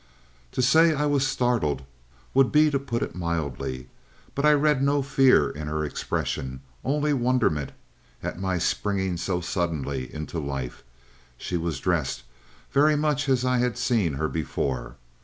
"To say I was startled would be to put it mildly, but I read no fear in her expression, only wonderment at my springing so suddenly into life. She was dressed very much as I had seen her before.